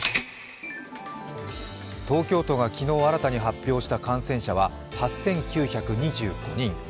東京都が昨日新たに発表した感染者は８９２５人。